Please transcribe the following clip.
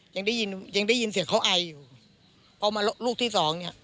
ยังได้ยินยังได้ยินเสียงเขาไออยู่พอมาลูกที่สองเนี้ย